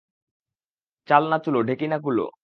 চাল না চুলো, ঢেঁকি না কুলো।